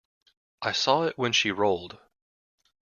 I saw it when she rolled.